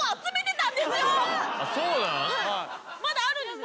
まだあるんです！